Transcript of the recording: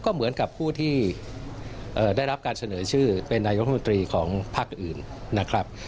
ก็เหมือนกับผู้ที่ได้รับการเสนอชื่อเป็นนายกรมนตรีของภาคอื่นนะครับ